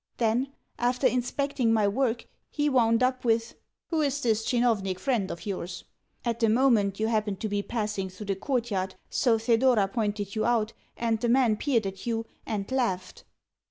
Then, after inspecting my work, he wound up with: "Who is this tchinovnik friend of yours?" At the moment you happened to be passing through the courtyard, so Thedora pointed you out, and the man peered at you, and laughed.